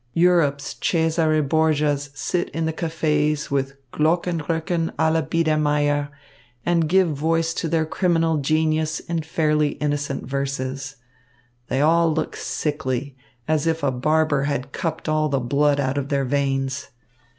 Europe's Cesare Borgias sit in the cafes with Glockenröcken à la Biedermaier and give voice to their criminal genius in fairly innocent verses. They all look sickly, as if a barber had cupped all the blood out of their veins.